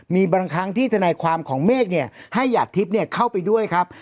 มีบางครั้งที่ทนายความของเมฆให้หยาดทิพย์เข้าไปด้วยครับ